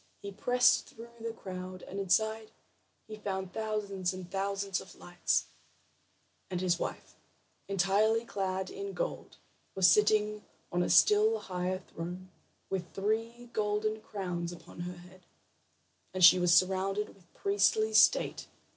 He pressed through the crowd, and inside he found thousands and thousands of lights, and his wife, entirely clad in gold, was sitting on a still higher throne, with three golden crowns upon her head, and she was surrounded with priestly state.